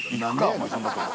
お前そんなとこ。